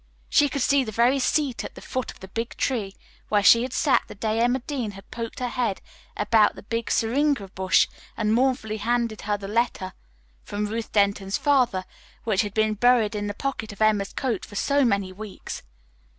She could see the very seat at the foot of the big tree where she had sat the day Emma Dean had poked her head about the big syringa bush and mournfully handed her the letter from Ruth Denton's father which had been buried in the pocket of Emma's coat for so many weeks.